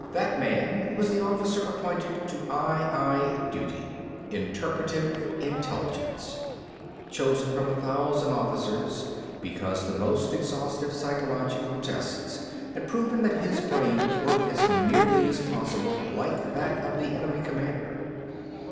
That man was the officer appointed to I. I. duty—interpretative intelligence—chosen from a thousand officers because the most exhaustive psychological tests had proven that his brain worked as nearly as possible like that of the enemy commander.